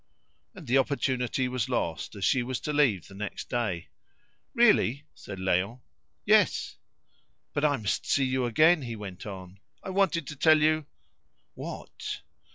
And the opportunity was lost, as she was to leave the next day. "Really!" said Léon. "Yes." "But I must see you again," he went on. "I wanted to tell you " "What?"